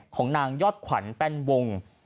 ของนางยอดขวัญแป้นวง